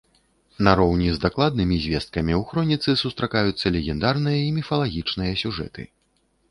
Нароўні з дакладнымі звесткамі, у хроніцы сустракаюцца легендарныя і міфалагічныя сюжэты.